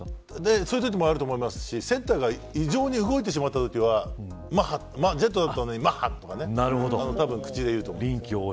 そういうこともあると思いますしセッターが異常に動いてしまったときはジェットよりマッハって口で言うと思います。